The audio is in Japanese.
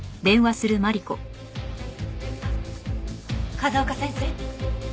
風丘先生？